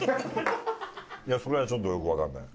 いやそれはちょっとよくわからない。